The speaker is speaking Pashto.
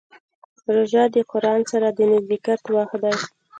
روژه د قرآن سره د نزدېکت وخت دی.